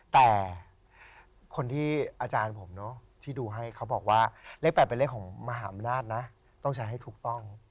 แต่คนที่อาจารย์ผมเนอะที่ดูให้เขาบอกว่าเลข๘เป็นเลขของมหาอำนาจนะต้องใช้ให้ถูกต้อง